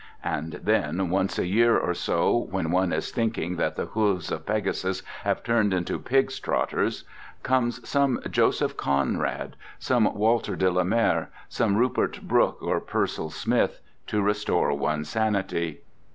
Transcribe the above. And then, once a year or so, when one is thinking that the hooves of Pegasus have turned into pigs' trotters, comes some Joseph Conrad, some Walter de la Mare, some Rupert Brooke or Pearsall Smith, to restore one's sanity.